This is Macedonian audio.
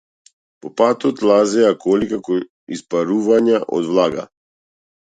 По патот лазеа коли како испарувања од влага.